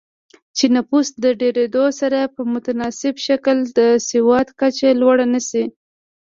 چې نفوس د ډېرېدو سره په متناسب شکل د سواد کچه لوړه نه شي